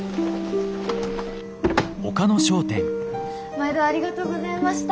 毎度ありがとうございました。